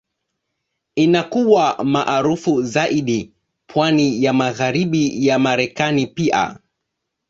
Inakuwa maarufu zaidi pwani ya Magharibi ya Marekani pia.